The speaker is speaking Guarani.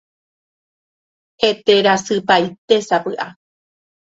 Heterasypaitésapy'a.